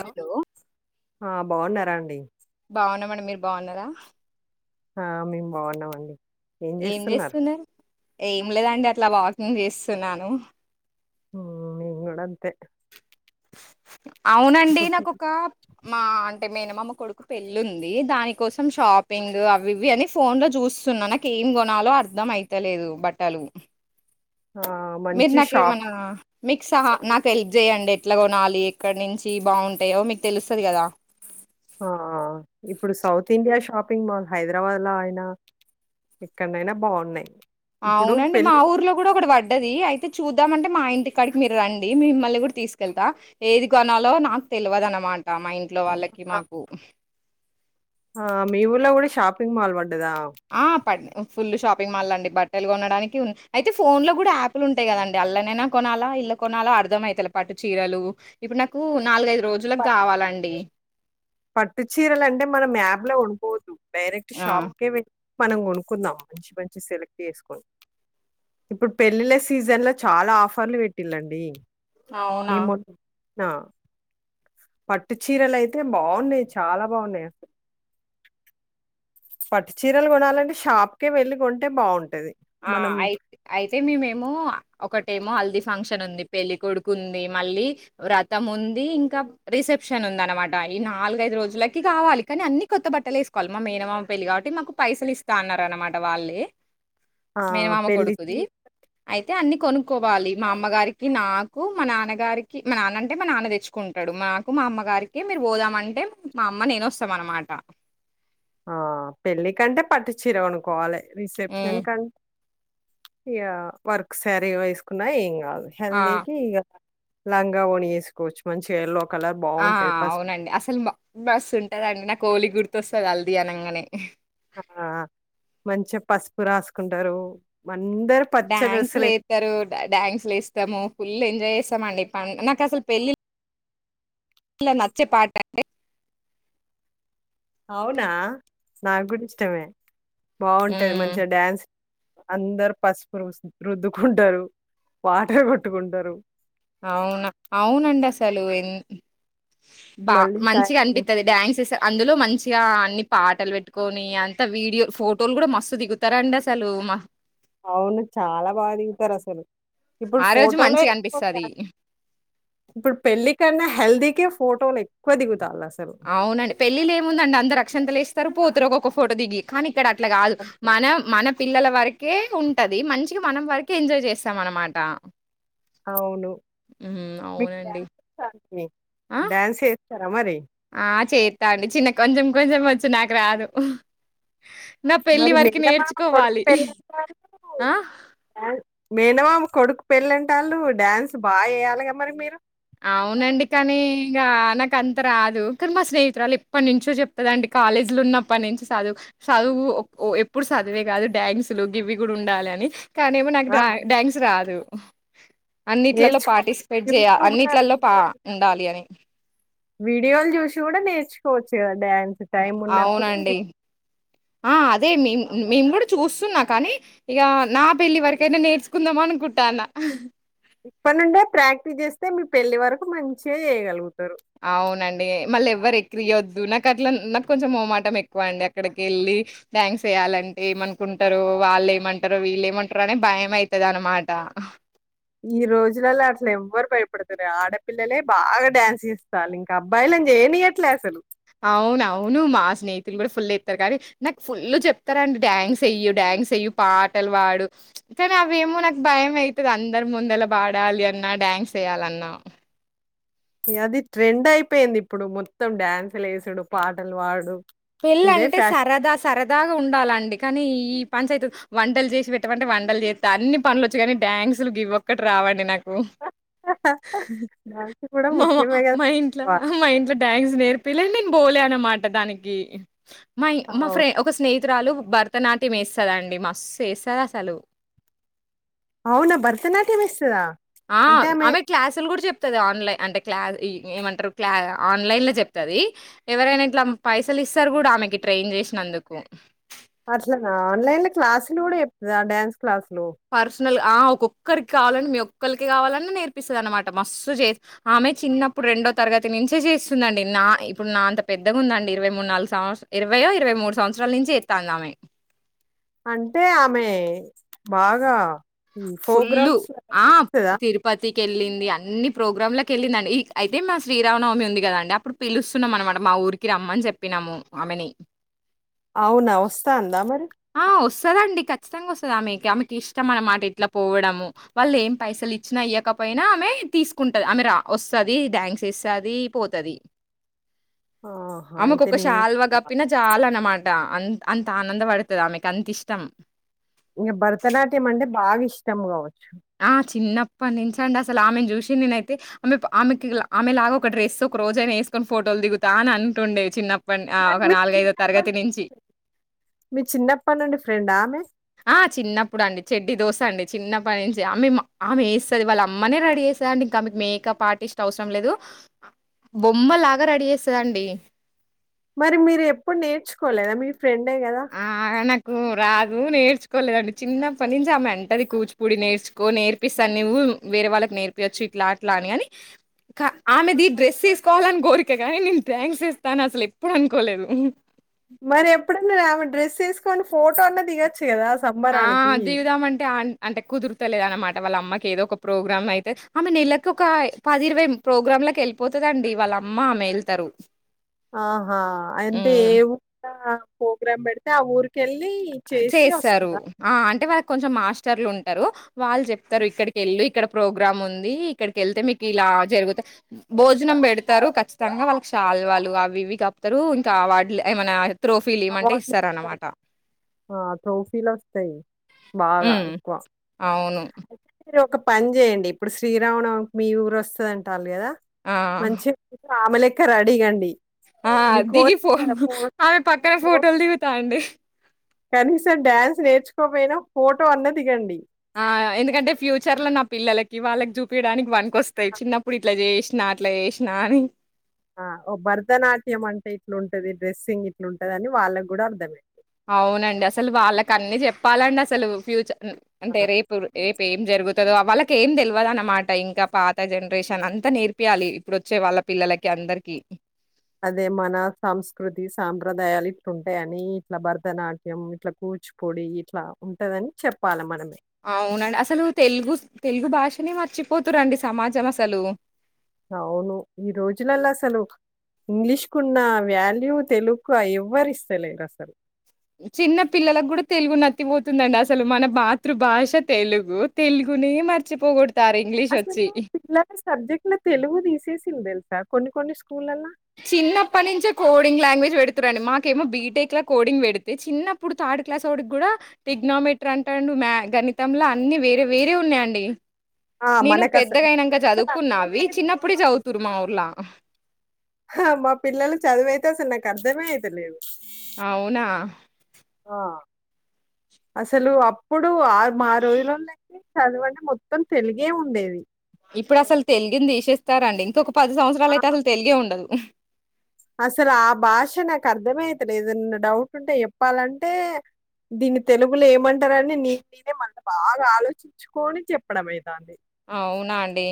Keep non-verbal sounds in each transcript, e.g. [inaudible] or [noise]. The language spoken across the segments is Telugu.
హలో ఆ బాగున్నారా అండి బాగున్నామండి మీరు బాగున్నారా ఆ మేము బాగున్నామండి ఏం చేస్తున్నారు ఏం లేదండి అట్లా వాకింగ్ చేస్తున్నాను హో నేను గూడ అంతే అవునండి ఇప్పుడు నాకొక మా అంటే మేన మామ కొడుకు పెళ్ళి ఉంది దాని కోసం షాపింగ్ అవి ఇవి అని ఫోన్ లో చూస్తున్నా నాకు ఏం గొనాలో అర్ధం అయితలేదు బట్టలు ఆ మీరు మంచి షాప్ నాకెమన్న మీకు సహా నాకు హెల్ప్ చేయండి ఎట్లా కొనాలి ఎక్కడి నుంచి బాగుంటాయో మీకు తెలుస్తుంది కదా ఆ ఇప్పుడు south India shopping mall Hyderabad లో అయినా ఎక్కడనైనా బాగున్నాయి ఇప్పుడు అవునండి మా పెళ్ళి ఊర్లో కూడా ఒక పడ్డది అయితే చూ ద్దాం అంటే మా ఇంటిక్కడికి మీరు రండి మిమ్మల్ని కూడా తీసుకెళ్తాం ఏది కొనాలో నాకు తెలియదు అనమాట మా ఇంటి ఇట్లో వాళ్ళకి ఆ మాకు ఆ మీ ఊలా కూడా షాపింగ్ మాల్ వాంట ఆ పడి ఫుల్ షాప్ ఎం బట్టలు కొన అయితే ఫోన్ లో కూడా యాలు ఉంటాయి కదండి అల్లైనా కొనాలా ఇల్ కొన అర్ం అవుతు పాటు చీరలు ఇప్పుడు నాకు నాలుగదు రోజులకుకి పట్టు కావాలండి పట్టు చీరలు అంటే మనం యాబ్ లో వండిపోదు డైరెక్ట్ ఆ రాప కే వె మనం కొనుక్కుందాం మంచి మంచి సెలెక్ట్ చేసుకొని ఇప్పుడు పెళ్ళిళ్ళ సీజన్ లో చాలా ఆఫర్లు పెట్టిలండి అవునా నా పట్టు చీరలు అయితే బాగున్నాయి చాలా బాగున్నాయి పట్ చీరలు కొనాలంటే షాప్కే వెళ్లి కొంటే బాగుంటాంది ఆ అయి అయితే మే మేము ఒక ఏమో హల్దీ ఫంక్షన్ ఉంది పెళ్ళ కొడుకు ఉంది మళ్ళీ వ్రతం ఉంది ఇంకా రిసెప్షన్ ఉంది అనమాట ఈ నాలుగైదు రోజులకి కావాలి కానీ అన్ని కొత్త బట్టలు వేసుకోవాలి మా మేనమామ పెళ్లి కాబట్టి మాకు పైసలు ఇస్తా అన్నారు అనమాట వాళ్ళు ఆహ్, మేనుమామ పెళ్లి చీ కొడుకుది అయితే అన్ని కొనుక్కోవాలి మా అమ్మగారికి నాకు మా నాన్నగారికి మా నాన్న అంటే మా నాన్న తెచ్చుకుంటాడు మాకు మా అమ్మగారికి మీరు పోదామ అంటే మా అమ్మ నేను వస్తాం అనమాట ఆ పెళ్ళ కంటే పట్టు చీర అనుకోవాలి రిసెప్షన్ హ్మ్ క ఇ వర్క్ శారీ వేసుకున్నా ఇం ఆ హల్దికి లంగా వని వేసుకోవచ్చు మంచిగా కలర్ ఆ బావుంటది. పసుపు అవునండి అసలు బస్సు ఉంటదండి నా కోలి గుర్తు వస కల్దిన అంగనే ఆ మంచిగా పసుపు రాసుకుంటారు అందరూ పచ్చ డ్యాన్స్లు డ్రెస్సులే వస్తారు డ్యాన్స్ లు ఇస్తాము ఫుల్ ఎంజాయ్ చేస్తా మండిప నాకుసలు పెళ్ళి ఇలా నచ్చే పాటంటే అవునా నాగ కూడాడి ఇష్టమే బాగుంటది హ్మ్ మంచిగా డ్యాన్స్ అందరు పసుపు ర రుద్దుకుంటారు వాట కొట్టుకుంటారు అవునా అవునంసలు ఎన్ బా మళ్ళీ మంచిగా సాయంత్రం అనిపిస్తుది డ్యాన్స అందులో మంచిగా అన్ని పాటలు పెట్టుకొని అంత వీడియో ఫోటోలు కూడా మస్తు దిగుతారంండి అసలు అవును చాలా బాగా దిగుతారు అసలు ఇప్పుడు ఆ రోజు ఫోటోలో మంచిగా అనిపిస్తది ఇప్పుడు పెళ్ళి న్నా హెల్దీకి ఫోటోలు ఎక్కువ దిగుతా అవునండి పెళ్ళ ఏముందండి అందరు అక్షణ తె లేసి సరిపోతురు ఒక ఫోటో దిగి కా ఇక్కడ అట్లా కాదు అంతే. మన మన పిల్లల వరకే ఉంటది మంచి మనం వరకే ఎంజాయ్ చేస్తాం అనమాట అవును మీకు న్ అవునండి ఆ రాయనయా సార అ మరి ఆ చేస్తా అండి చిన్న కొంచెం కొంచెం వచ్చు నాకు రాదు నా పెళ్లి మరి వరకి మెల్ల బమ కొడుకు నేర్చుకోవాలి. పెళ్ళంటారు ఆ మేనమా కొడుకు పెళ్ళంటే వాళ్ళు డ్యాన్స్ బాగా చేయాలిగా మరి మీరు అవునండి కానీ ఇంకా నాక అంత రాదు కానీ మా స్నేహితురాళు ఇప్పటి నుంచో చెప్తదండి కాలేజీలు ఉన్నప్పటి నుంచి చదువు చదువు ఎప్పుడు చదువే కాదు డ్యాంగ్సులు గివి కూడా ఉండాలి అని కానీమో నాకు ఆ! డ్యాన్స్ రాదు హామ్ అన్నిట్లలో నేర్చుకోమను. పార్టిసిపేట్ చేయ అన్ని యూట్యూబ్‌ల ట్యూబ్లో పా వీడియోలు ఉండాలి అని వీడియోలు చూసి కూడా నేర్చుకోవచ్చు కా అవునండి ఆ అదే మేం మేము కూడా చూస్తున్నా కానీ ఇక నా పెళ్లివరకైనా నేర్చుకుందామ అనుకుంటాన్న ఇప్ప నుండే ప్రాక్టీస్ చేస్తే మీ పెళ్ళలి వరకు మంచిగా చేయగలుగుతంది అవునండి మళ్ళీ ఎవ్వరు ఎక్కు క్రియొద్దు నాకు అట్లా నాకు కొంచెం మోమాటం ఎక్కువ అండి అక్కడికి వెళ్ళి డాన్స్ వయాలంటే ఏమనుకుంటారు వాళ్ళు ఏమంటారు వీళ్ళు ఏమంటారు అనే భయం అవుతుది అనమాట ఈ రోజులలో అట్లు ఎవ్వరు భయపడుతారు ఆడపిల్లలే బాగా డ్యాన్స్ ఇస్తారు ఇంకా అబ్బాయిలుని చేయనియట్లే అసలు అవున అవును మా స్నేహితులు కూడా ఫుల్ ఇస్తారు కానీ నాకు ఫుల్ చెప్తారండి డ్యాన్స్ అయ్య డ్యాన్స్ అయ్యి పాటలు పాడు కానీ అవేమో నాకు భయం అవుతుంది అందరు ముందలా పాడాలి అన్నా డ్యాన్స్ వయాలన్నా అది ట్రెండ్ అయిపోయింది ఇప్పుడు మొత్తం డ్యాన్సులు వేసుడు పాటలు పాడు పెళ్ళంటే సరదా సరదాగా ఉండాలండి కానీ ఈ పంచాయతీ వంటలు చేసి పెట్టమంటే వంటలు చేస్తా అన్ని పనులుచ్చు కానీ డాన్సులు ఇవ్వక్కటి రావండి నాకు డాన్స్ కూడా మా ముఖ్యమే మా ఇంట్లో కదా మా ఇంట్లో డాన్స్ నేర్పియలేదు నేను బోలే అన్నమాట దానికి మా మా అవును ఫ్రెం ఒక స్నేహి స్నేహితురాలు భరతనాట్యం వేస్తుందండి మస్తు వేస్తది అసలు అవునా భరతనాట్యం వేస్తదా ఆ ఆమె క్లాసులు కూడా చెపి చెప్తుంది ఆన్లైన్ అంటే క్లా ఏమంటారు క్లా ఆన్లైన్ లో చెప్తుంది ఎవరైనా ఇట్లా పైసలు ఇస్తారు కూడా ఆమెకి ట్రైన్ చేసినందుకు అట్లా ఆన్లైన్ లో క్లాసులు కూడా చెప్పా డ్యాన్స్ క్లాస్లో పర్సనల్ ఆ ఒక్కొక్కరికి కావాలండి మీ ఒక్కరికి కావాలని నేర్పిస్తుంది అనమాట మస్తు చే ఆమె చిన్నప్పుడు రెండో తరగతి నుంచే చేస్తుందిండి నా ఇప్పుడు నా అంత పెద్దగా ఉందండి ఇరవై మూడు నాలుగు సంవత్సర ఇరవై ఇరవై మూడు సంవత్సరాల నుంచి చేస్తాంది ఆమె అంటే ఆమె బాగా ఫుల్లు ప్రోగ్రామ్స్ ఆ ఇస్తుందా తిరుపతికి వెళ్ళింది అన్ని ప్రోగ్రామ్ లోకి వెళ్ళిందండి అయితే మా శ్రీరామనవమి ఉంది కదా అండి అప్పుడు పిలుస్తున్నాం అనమాట మా ఊరికి రమ్మని చెప్పినాము ఆమెని అవును వస్తా అందా మరి ఆ వస్తదండి క ఖచ్చితంగా వస్తుంది ఆమెకి ఆమెకి ఇష్టం అన్నమాట ఇట్లా పోవడము వాళ్ళు ఏం పైసలు ఇచ్చినా అయ్యాకపోయినా ఆమె తీసుకుంటది ఆమె రా వస్తుంది ్యాంక్స్ ఇస్తుంది పోతుంది ఆహా! ఆమెకు అయితే ఒక నేను షాల్వ కప్పిన చాలా అనమాట అంత అంత ఆనంద పడు ఆమెకు అంత ఇష్టం ఇంక భరతనాట్యం అంటే బాగా ఇష్టం కావచ్చు ఆ చిన్నప్ప నుంచండి అసలు ఆమెను చూసి నేనైతే ఆమె ఆమెకి ఆమెలాగా ఒక డ్రెస్ ఒక రోజయినా వేసుకొని ఫోటోలు దిగుతా అని అంటుండవి చిన్నప్ప మరి మీ చిన్నప్ప నుడి మీ చిన్నప్పటి నుండి ఫ్రెండా ఆ మే ఆ చిన్నప్పుడు అండి చెడ్డి దోశ అండి చిన్నప్పటి నుంచి ఆమె ఆమె వేస్తుది వాళ్ళ అమ్మనే రెడీ చేస్తుందిండి ఇంకా ఆమెకి మేకప్ ఆర్టిస్ట్ అవసరం లేదు బొమ్మలాగా రెడీ చేస్తుదండి మరి మీరు ఎప్పుడు నేర్చుకోలేదా మీరు ఫ్రెడ్ కదా ఆ! నాకు రాదు నేర్చుకోలేదండి చిన్నప్పటి నుంచి ఆమె ఎంటది కూచిపూడి నేర్చుకో నేర్పిస్తాను నువ్వు వేరే వాళ్ళకి నేర్పియవచ్చు ఇట్లా అట్లా అని అని ఆమెది డ్రెస్ తీసుకోవాలని కోరిక కానీ నేను థ్యాంక్స్ ఇస్తాను అసలు ఎప్పుడు అనుకోలేదు మరి ఎప్పుడన్నా రావండి డ్రెస్ తీసుకొని ఫోటో అన్నా దిగచ్చు ఆ దీగుదామంటే అంటే కుదురతలేద అనమాట వాళ్ళ అమ్మకి ఏదో ఒక ప్రోగ్రామ్ అయితే ఆమె నెలలకుకి ఒక పది ఇరవై ప్రోగ్రామ్ కి వెళ్ళిపోతుదండి వాళ్ళ అమ్మ ఆమె వెళ్తారు ఆహా అంటే ఏ ప్రోగ్రామ్ బ పెడితే ఆ ఊకెల్ చేస్తారు ఆ అంటే వారి కొంచెం మాస్టర్లు ఉంటారు వాళ్ళు చెప్తారు ఇక్కడికిళ్ళు ఇక్కడ ప్రోగ్రామ్ ఉంది ఇక్కడికి వెళ్తే మీకు ఇలా జరుగుతా భోజనం పెడతారు ఖచ్చితంగా వాళ్ళకి చల్ వాళ్ళు అవి ఇవి కపుతారు ఇంకా వాటి ఏమైనా త్రోఫీ ఇయ్యమంటే అవార్డులిస్తారు. ఇస్తారనమాట ఆ ట్రోఫిలోస్తాయ్ హుమ్ అవును అయితే మీరు ఒక పని చేయండి ఇప్పుడు శ్రీరామ నవమి మీ ఊరు వస్తదంటరు గదా ఆ! మంచి ఆమేలెక్క రడి కండి ఆ దిగి ఫో ఆమె పక్కన ఫో ఫోటోల్దిగుతాండి [inaudible] కనీసం డ్యాన్స్ నేర్చుకోపోయినా ఫోటో అన్న దిగండి ఆ ఎందుకంటే ఫ్యూచర్ లో నా పిల్లలకి వాళ్ళకి చూపియడానికి వనక్ వస్తాయి చిన్నప్పుడు ఇట్లా చేసినా అట్లా చేసినా అని ఆ ఒ భరతనాట్యం అంటే ఇట్లుంటది డ్రెస్సింగ్ ఇట్లుంటది అని వాళ్ళకి కూడా అర్థమై అవునండి అసలు వాళ్ళకన్ని చెప్పాలండి అసలు ఫ్యూచర్ ఆ! అంటే రేపు రేపు ఏం జరుగుతు తదో వాళ్ళకి ఏం తెలియాలన్నమాట ఇంకా పాత జనరేషన్ అంతా నేర్పియాలి ఇప్పుడు వచ్చే వాళ్ళ పిల్లలకి అందరికి అదే మన సంస్కృతి సాంప్రదాయాలు ఇట్లుంటయని ఇట్లా భరతనాట్యం, ఇట్లా కూచిపూడి ఇట్లా ఉంటదని చెప్పాలి మనమే అవునండి అసలు తెలుగు తెలుగు భాషనే మర్చిపోతురండి సమాజం అసలు అవును ఈ రోజులలో అసలు ఇంగ్లీష్ కు ఉన్న వాల్యూ తెలుక్కు ఎవ్వరు ఇస్తలేరు అసలు చిన్న పిల్లలకు కూడా తెలుగు నత్తిపోతుందండి అసలు మన మాతృభాష తెలుగు తెలుగునే మర్చిపోగొడ్ అసలు పిల్లల సబ్జెక్ట్ లో తెలుగు తీసేసిందేల్ కొన్ని కొన్ని స్కూల్ ల్లా ల్ల చిన్నప్పటి నుంచే కోడింగ్ లాంగ్వేజ్ పెడుతురండి. మాకేమో బీటెక్లా కోడింగ్ పెడితే చిన్నప్పుడు థర్డ్ క్లాస్ ఓడికి కూడా టెగ్నోమెటర్ అంటాడు మ్యా గణితంల అన్ని వేరే వేరే ఉన్నాయండి. ఆ నేను మనకస పెద్దగాయినంక అసలు అర్థమే చదువుకున్నావి అయితలేదు చిన్నప్పుడే మా పిల్లలు చదువుతురు మా ఊర్ల మా పిల్లల చదువయితే అసలు నాకు అర్ధమే అయితే లేదు అవునా ఆ అసలు అప్పుడు ఇప్పుడు ఆ మా రోజుల్లాల చదువంటే మొత్తం తెలుగే ఉండేది. ఇప్పుడు అసలు తెలిగింది తీసేస్తారండి ఇంకొక పది సంవత్సరాలు ఆ! అయితే అసలు తెలిగే ఉండదు అసలు ఆ భాష నాకు అర్ధమే ఐ తేలేదు ఏదన్నా డౌట్ ఉంటే చెప్పాలంటే దీన్ని తెలుగులో ఏమంటారని నే నేనే మల్ల బాగా ఆలోచించుకొని చెప్పడం అయి అవునా అండి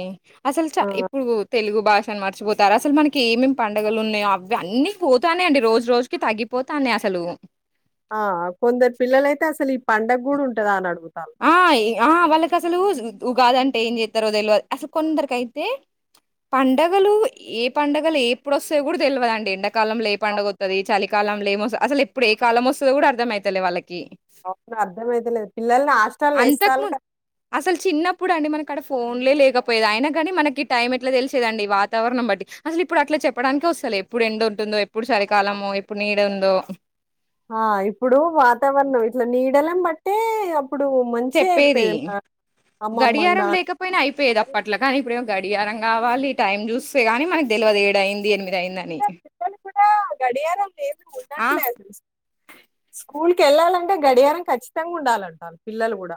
అసలు చ ఆ ఇప్పుడు తెలుగు భాష మర్చిపోతారు అసలు మనకి ఏమేమి పండగలు ఉన్నాయో అవి అన్నీ పోతానై అండి రోజు రోజుకి తగ్గిపోతానై అసలు ఆ కొందరు పిల్లలైతే అసలు ఈ పండగ కూడా ఉంటదా అని అడుగు ఆ ఆ వాళ్ళకసలు ఉగాదంటే ఏం చేతారో తెల్వద్ అసలు కొందరికి అయితే పండగలు ఏ పండగలు ఎప్పుడు వస్తాయో కూడా తెలువదండీ ఎండ కాలం లేపండుగొత్తది చలి కాలంల అసలు ఇప్పుడు ఏ కాలం వస్తదో కూడా అర్థమయితలే వాళ్ళక్ అవును అర్థమయితలేదు పిల్ల అంతకు ముందు అసలు చిన్నప్పుడు అండి మనక్ అక్కడ ఫోన్లే లేకపోయది అయినా కాగాని మనకి ఈ టైం ఎట్లా తెలిసేదండి వాతావరణం బట్టి అసలు ఇప్పుడు అట్లా చెప్పడానికి వస్తులే ఎప్పుడు ఎండోత్తుందో ఎప్పు ఇప్పుడు ఆ చలికాలము ఇప్పుడు నీ దే ఉందొ ఆ ఇప్పుడు వాతావరణం ఇట్లా నీడలం బట్టే అప్పు చెప్పేది అమ్మమ్మలు, గడియారం నానమ్మలు. లేకపోయినా అయిపోయేది అది అప్పట్లా కాని ఇప్పుడే గడియారం కావాలి టైమ్ చూస్తేగాని మనకు తెవదు ఇగ టైయింది అసలు ఎనిమిది అయింద అని పిల్లలు పిల్లలు కూడా గడియారం లేదు ఆ స్కూల్ కి వెళ్ళాలంటే గడియారం ఖచ్చితంగా ఉండాలంటారు పిల్లలు కూడా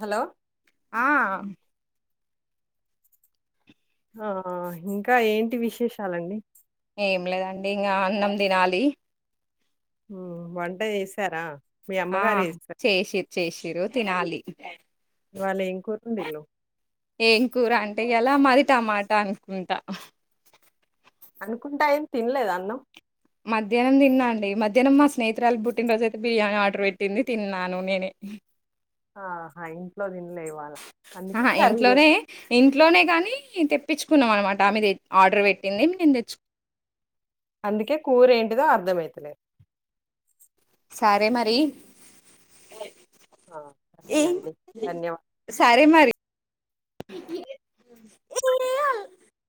హలో ఆ ఆ ఇంకా ఏంటి విశేషాలండి ఏం లేదండి ఇక అన్నం తినాలి వంట చేసారా ఆ చేసిర్ చేసిరు తినాలి వాళ్లు ఏం కూర వండిల్లు ఏం కూర అంటే ఈయాల మాది టమాట అనుకుంటా అనుకుంటా ఏంది తినలేదు అన్నం మధ్యాహ్నం తిన్నాండి మధ్యాహ్నం మా స్నేహితురాలి పుట్టినరోజు అయితే బిర్యానీ ఆర్డర్ పెట్టింది తిన్నాను నేనే ఆహా ఇంట్లో తినలే ఇవ్వాలా అందుకే ఆహా కర్రీ తెల్ ఈ తెప్పించుకున్నాం అనమాట మీది ఆర్డర్ పెట్టింది నేను తెచ్చుకో అందుకే కూరేంటిదో అర్థమైతే లేదు సరే మరి ఆ ఏ సరేనండి ధన్యవాదాలు సరే మరి ఎంగి య